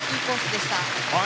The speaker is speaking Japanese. いいコースでした。